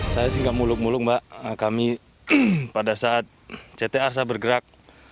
saya sih gak muluk muluk mbak kami pada saat ctr saya bergerak